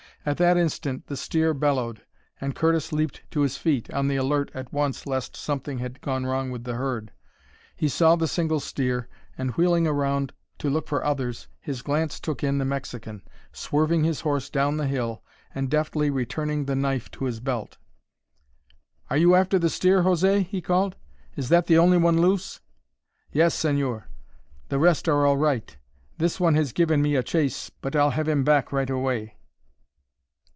At that instant the steer bellowed, and Curtis leaped to his feet, on the alert at once lest something had gone wrong with the herd. He saw the single steer and, wheeling around to look for others, his glance took in the Mexican, swerving his horse down the hill and deftly returning the knife to his belt. "Are you after the steer, José?" he called. "Is that the only one loose?" "Yes, señor. The rest are all right. This one has given me a chase, but I'll have him back right away."